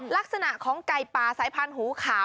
ลักษณะของไก่ป่าสายพันธุ์หูขาว